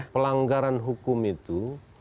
pelanggaran hukum itu